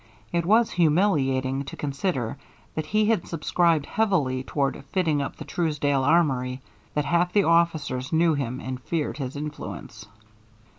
It was humiliating to consider that he had subscribed heavily toward fitting up the Truesdale armory, that half the officers knew him and feared his influence.